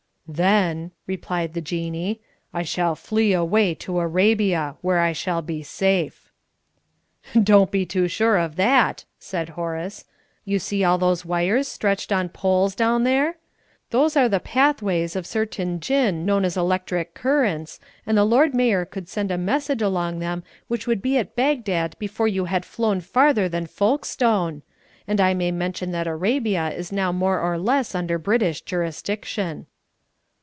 "Then," replied the Jinnee, "I shall flee away to Arabia, where I shall be safe." "Don't you be too sure of that!" said Horace. "You see all those wires stretched on poles down there? Those are the pathways of certain Jinn known as electric currents, and the Lord Mayor could send a message along them which would be at Baghdad before you had flown farther than Folkestone. And I may mention that Arabia is now more or less under British jurisdiction."